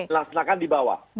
laksanakan di bawah